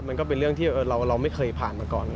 มันก็เป็นเรื่องที่เราไม่เคยผ่านมาก่อน